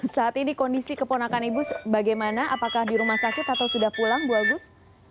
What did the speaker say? saat ini kondisi keponakan ibu bagaimana apakah di rumah sakit atau sudah pulang ibu agus